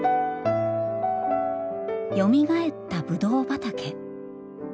よみがえったぶどう畑。